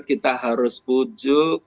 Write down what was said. kita harus pujuk